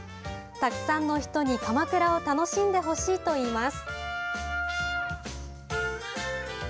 たくさんの人に鎌倉を楽しんでほしいといいます。